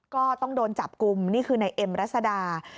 ก็ต้องโดนจับกลุ่มนี่คือในเอ็มรัศดา